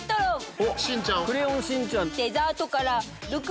クレヨンしんちゃん！